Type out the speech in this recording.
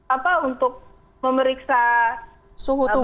apa untuk memeriksa suhu tubuh